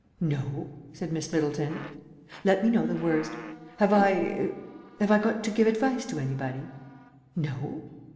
"No," said Miss Middleton. "Let me know the worst. Have I er have I got to give advice to anybody?" "No."